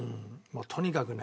とにかくね。